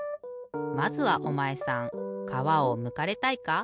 まずはおまえさんかわをむかれたいか？